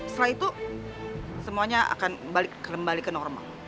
setelah itu semuanya akan kembali ke normal